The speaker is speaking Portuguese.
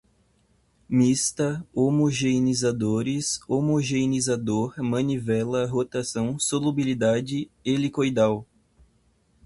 mista, homogeneizadores, homogeneizador, manivela, rotação, solubilidade, helicoidal